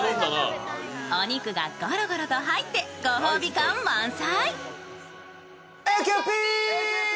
お肉がごろごろと入って、ご褒美感満載。